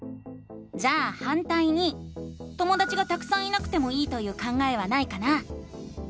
じゃあ「反対に」ともだちがたくさんいなくてもいいという考えはないかな？